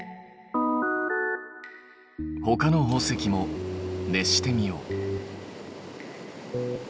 ほかの宝石も熱してみよう。